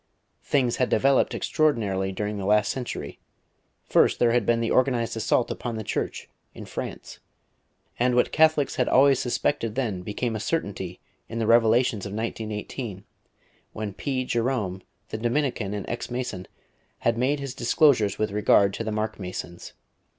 Things had developed extraordinarily during the last century. First there had been the organised assault upon the Church in France; and what Catholics had always suspected then became a certainty in the revelations of 1918, when P. Gerome, the Dominican and ex Mason, had made his disclosures with regard to the Mark Masons.